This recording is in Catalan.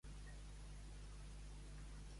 En un ramat, sempre n'hi ha un per al llop.